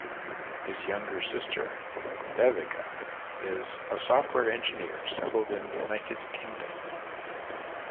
His younger sister, Devika, is a software engineer settled in the United Kingdom.